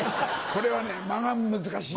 これはね間が難しい。